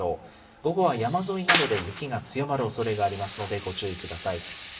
午後は山沿いなどで雪が強まるおそれがありますのでご注意ください。